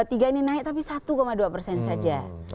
tiga ini naik tapi satu dua persen saja